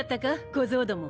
小僧ども。